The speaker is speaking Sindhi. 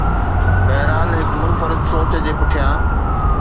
بهرحال، هڪ منفرد سوچ جي پٺيان